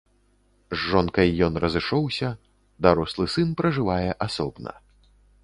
З жонкай ён разышоўся, дарослы сын пражывае асобна.